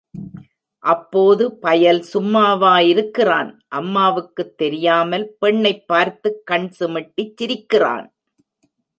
அப்போது பயல் சும்மாவா இருக்கிறான் அம்மாவுக்குத் தெரியாமல் பெண்ணைப் பார்த்துக் கண் சிமிட்டிச் சிரிக்கிறான்.